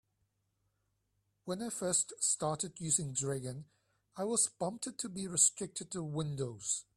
When I first started using Dragon, I was bummed to be restricted to Windows.